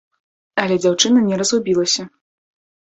Але дзяўчына не разгубілася.